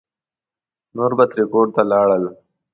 نور به ترې کور ته لاړل.